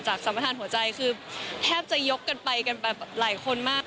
จากสำมาทานหัวใจคือแทบจะยกกันไปกันไปหลายคนมาก